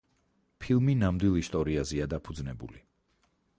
ფილმი ნამდვილ ისტორიაზეა დაფუძნებული.